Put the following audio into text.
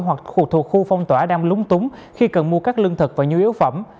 hoặc thuộc khu phong tỏa đang lúng túng khi cần mua các lương thực và nhu yếu phẩm